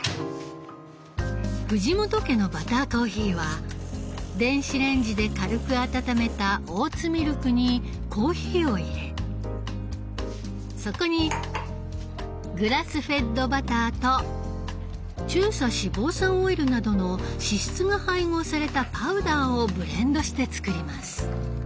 藤本家のバターコーヒーは電子レンジで軽く温めたオーツミルクにコーヒーをいれそこにグラスフェッドバターと中鎖脂肪酸オイルなどの脂質が配合されたパウダーをブレンドして作ります。